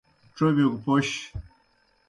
ڇوبِیو گہ پوْش۔